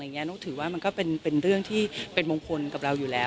นกถือว่ามันก็เป็นเรื่องที่เป็นมงคลกับเราอยู่แล้ว